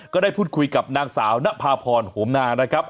ก็ได้พูดคุยกับนางสาวนภาพรโหมนานะครับ